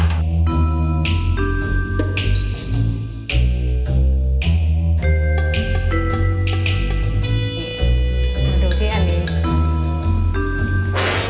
มาดูที่อันนี้